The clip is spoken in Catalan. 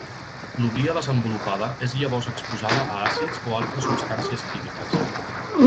L'oblia desenvolupada és llavors exposada a àcids o altres substàncies químiques.